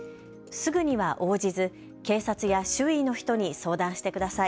すぐには応じず警察や周囲の人に相談してください。